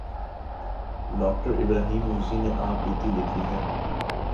ڈاکٹرابراہیم موسی نے آپ بیتی لکھی ہے۔